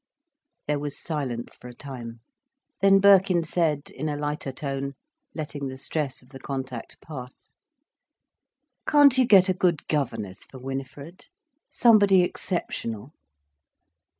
There was silence for a time. Then Birkin said, in a lighter tone, letting the stress of the contact pass: "Can't you get a good governess for Winifred?—somebody exceptional?"